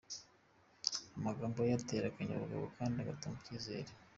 Amagambo ye atera akanyabugabo kandi agatanga icyizere.